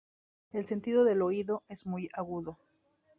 El sentido del oído es muy agudo.